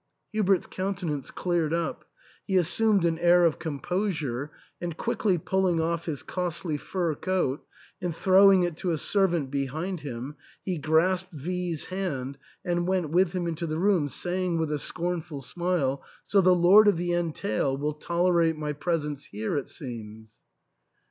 Hubert's countenance cleared up ; he assumed an air of composure, and quickly pulling off his costly fur coat, and throwing it to a sei vant behind him, he grasped V 's hand and went with him into the room, saying with a scornful smile, " So the lord of the entail will tolerate my presence here, it seems."